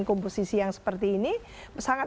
komposisi yang seperti ini sangat